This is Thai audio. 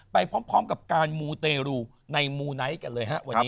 ไปพร้อมกับการมูเตรูในมูไนท์กันเลยฮะวันนี้